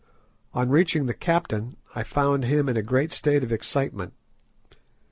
On reaching the captain I found him in a great state of excitement.